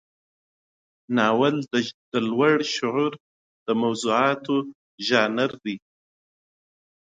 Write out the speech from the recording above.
ناول د لوړ شعور د موضوعاتو ژانر دی.